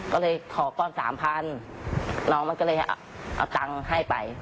ก็เลยขอก้อนสามพันน้องมันก็เลยเอาตังค์ให้ไป